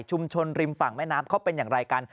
ริมฝั่งแม่น้ำเขาเป็นอย่างไรกัน